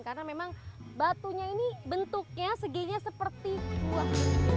karena memang batunya ini bentuknya seginya seperti buah